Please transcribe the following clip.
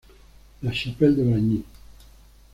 La Chapelle-de-Bragny